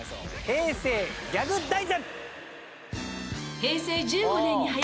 平成ギャグ大全！